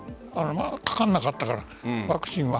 かからなかったから、ワクチンは。